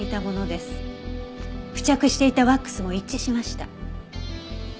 付着していたワックスも一致しました。